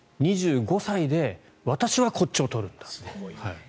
２５歳で私はこっちを取るんだ。